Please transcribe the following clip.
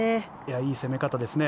いい攻め方ですね。